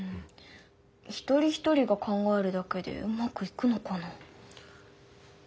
一人一人が考えるだけでうまくいくのかな。